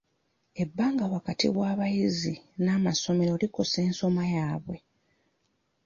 Ebbanga wakati w'abayizi n'amasomero likosa ensoma yaabwe.